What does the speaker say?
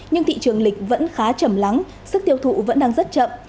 nhưng thị trường lịch vẫn khá chầm lắng sức tiêu thụ vẫn đang rất chậm